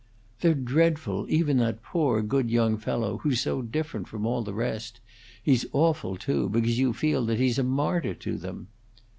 "They're dreadful, even that poor, good young fellow, who's so different from all the rest; he's awful, too, because you feel that he's a martyr to them."